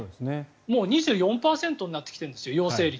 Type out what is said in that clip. もう２４％になってきているんです。